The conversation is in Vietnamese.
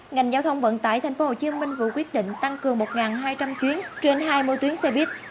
ngành giao thông vận tải tp hcm vừa quyết định tăng cường một hai trăm linh chuyến trên hai mươi tuyến xe buýt